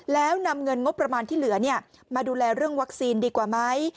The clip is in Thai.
แล้วนำเงินงบประมาณที่เหลือมาดูแลเรื่องวัคซีนดีกว่าไหม